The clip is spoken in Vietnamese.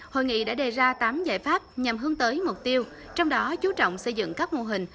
hội nghị đã đề ra tám giải pháp nhằm hướng tới mục tiêu trong đó chú trọng xây dựng các mô hình